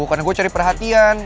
karena gue cari perhatian